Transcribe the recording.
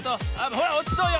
ほらおちそうよ。